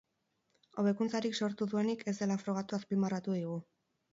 Hobekuntzarik sortu duenik ez dela frogatu azpimarratu digu.